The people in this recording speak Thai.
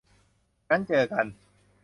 งั้นเจอกัน